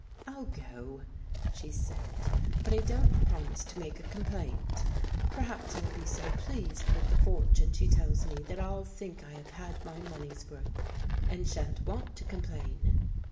" I'll go," she said, " but I don't promise to make a complaint. Perhaps I'll be so pleased with the fortune she tells me that I'll think I have had my money's worth and sha'n't want to complain."